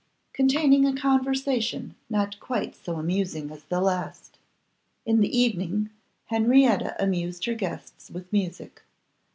Containing a Conversation Not Quite so Amusing as the Last. IN THE evening Henrietta amused her guests with music.